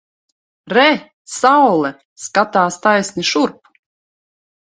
Re! Saule! Skatās taisni šurp!